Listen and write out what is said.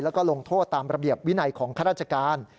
แล้วก็ลงโทษตามระเบียบวินัยของข้าราชการ